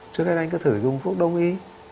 trước hết anh cứ thử dùng thuốc đông y